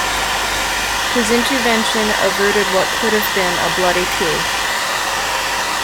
His intervention averted what could have been a bloody coup.